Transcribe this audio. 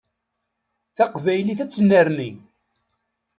Taqbaylit ad tennerni.